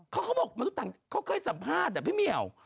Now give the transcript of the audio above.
เขาบอกมันต้องต่างเขาเคยสัมภาษณ์พี่เมียว